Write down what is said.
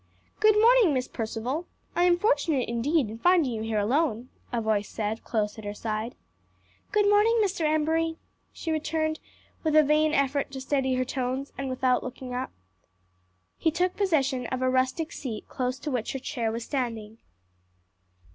"Good morning, Miss Percival; I am fortunate indeed in finding you here alone," a voice said, close at her side. "Good morning, Mr. Embury," she returned, with a vain effort to steady her tones, and without looking up. He took possession of a rustic seat close to which her chair was standing.